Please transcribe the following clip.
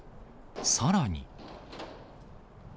さらに。